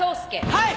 はい！